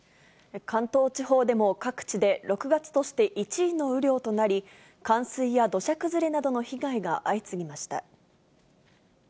関東地方でも各地で６月として１位の雨量となり、冠水や土砂崩れなどの被害が相次ぎました。